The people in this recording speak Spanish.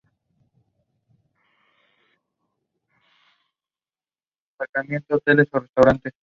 Mariano Otero, entre los municipios de Zapopan y Guadalajara.